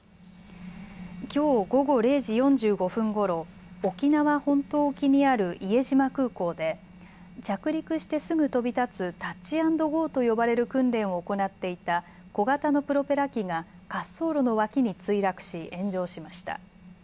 きょう午後０時４５分ごろ沖縄本島沖にある伊江島空港で着陸してすぐ飛び立つタッチアンドゴーと呼ばれる訓練を行っていた小型のプロペラ機が滑走路の脇に墜落し炎上しました。